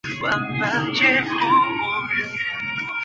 山西黄芩为唇形科黄芩属下的一个种。